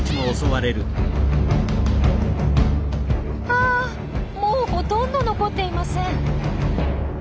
あもうほとんど残っていません。